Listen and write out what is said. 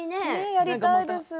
やりたいです。